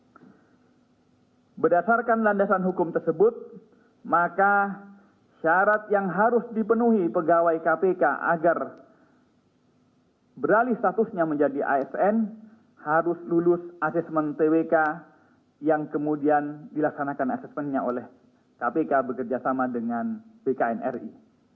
b berdasarkan landasan hukum tersebut maka syarat yang harus dipenuhi pegawai kpk agar beralih statusnya menjadi asn harus lulus asesmen twk yang kemudian dilaksanakan asesmennya oleh kpk bekerjasama dengan bknri